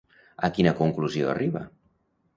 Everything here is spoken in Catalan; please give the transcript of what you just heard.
A quina conclusió arriba?